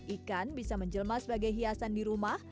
ikan bisa menjelma sebagai hiasan di rumah